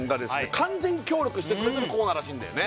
完全協力してくれてるコーナーらしいんだよね